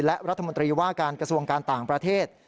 และรัฐมนตรีว่าการกระทรวงการต่างประเทศ